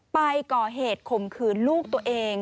ไปก่อเหตุคมคืนรูปตัวเอง